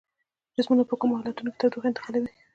جسمونه په کومو حالتونو کې تودوخه انتقالوي؟